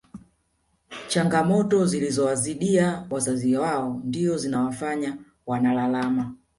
Changamoto zilizo wazidia wazazi wao ndizo zinawafanya wanalalama